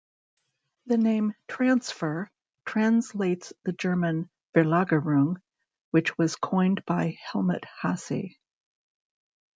The name "transfer" translates the German "Verlagerung", which was coined by Helmut Hasse.